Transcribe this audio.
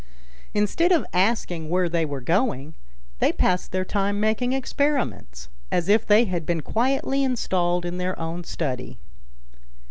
Instead of asking where they were going, they passed their time making experiments, as if they had been quietly installed in their own study.